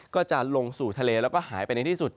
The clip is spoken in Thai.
ก็จะลงสู่ทะเลแล้วก็หายไปในที่สุด